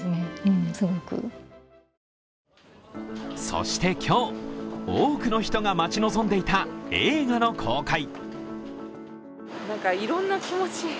そして今日、多くの人が待ち望んでいた映画の公開。